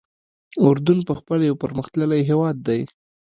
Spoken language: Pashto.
اردن پخپله یو پرمختللی هېواد دی.